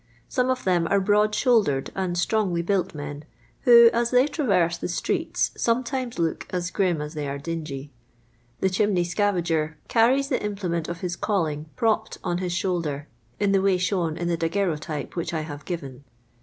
Some of them are broad shouldered* and strongly built men, who, as they traverse the streets, sometimes look as grim as they are dingy. The cbiraney scavager carries the implement of his calling propped on his shoulder, in the way shown in the daguerreo type which I have given.